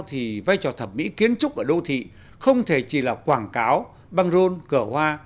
thì vai trò thẩm mỹ kiến trúc ở đô thị không thể chỉ là quảng cáo băng rôn cửa hoa